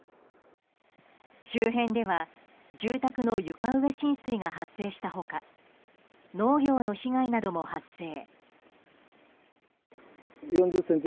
周辺では住宅の床上浸水が発生した他農業の被害なども発生。